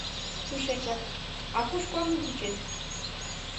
— ТушечакА куш корным кучет?